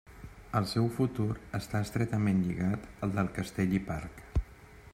El seu futur està estretament lligat al del castell i parc.